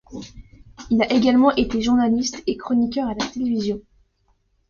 Il a également été journaliste et chroniqueur à la télévision.